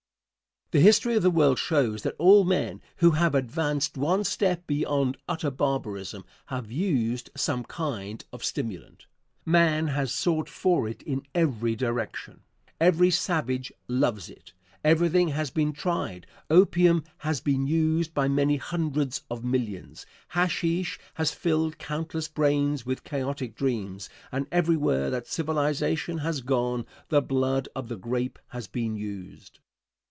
Answer. The history of the world shows that all men who have advanced one step beyond utter barbarism have used some kind of stimulant. Man has sought for it in every direction. Every savage loves it. Everything has been tried. Opium has been used by many hundreds of millions. Hasheesh has filled countless brains with chaotic dreams, and everywhere that civilization has gone the blood of the grape has been used.